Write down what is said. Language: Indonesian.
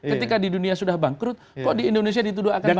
ketika di dunia sudah bangkrut kok di indonesia dituduh akan berubah